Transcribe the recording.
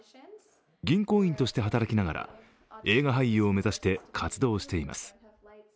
銀行員として働きながら映画俳優を目指して活動しています。